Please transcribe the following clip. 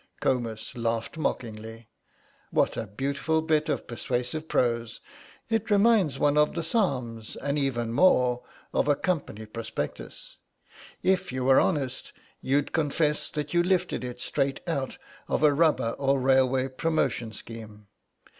Comus laughed mockingly. "What a beautiful bit of persuasive prose; it reminds one of the Psalms and even more of a company prospectus. If you were honest you'd confess that you lifted it straight out of a rubber or railway promotion scheme.